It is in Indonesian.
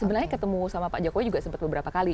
sebenarnya ketemu sama pak jokowi juga sempat beberapa kali